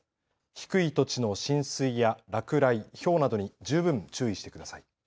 低い土地の浸水や落雷、ひょうなどに十分注意してください。